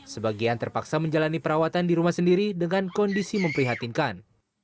sebagian terpaksa menjalani perawatan di rumah sendiri dengan kondisi memprihatinkan